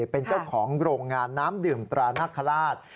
เป็นเจ้าของโรงงานน้ำดื่มตรานักคราช